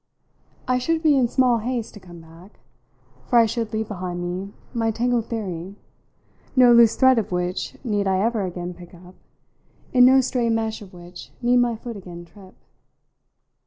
I should be in small haste to come back, for I should leave behind me my tangled theory, no loose thread of which need I ever again pick up, in no stray mesh of which need my foot again trip.